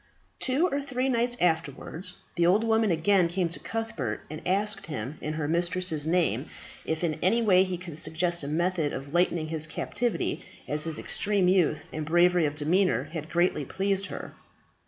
Two or three nights afterwards the old woman again came to Cuthbert, and asked him, in her mistress's name, if in any way he could suggest a method of lightening his captivity, as his extreme youth, and bravery of demeanour, had greatly pleased her.